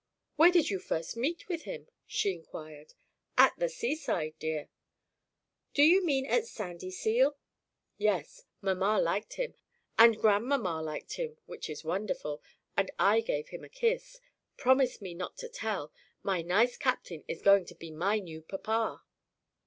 "Where did you first meet with him?" she inquired. "At the seaside, dear!" "Do you mean at Sandyseal?" "Yes. Mamma liked him and grandmamma liked him (which is wonderful) and I gave him a kiss. Promise me not to tell! My nice Captain is going to be my new papa."